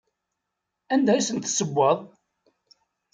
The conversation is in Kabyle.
Anda i tent-tessewweḍ?